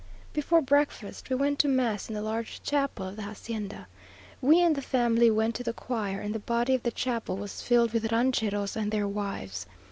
Before breakfast we went to mass in the large chapel of the hacienda. We and the family went to the choir; and the body of the chapel was filled with rancheros and their wives.